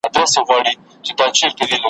جعلي اکاونټونو